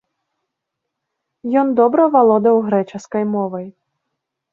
Ён добра валодаў грэчаскай мовай.